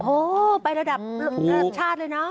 โอ้ไประดับชาติเลยนะ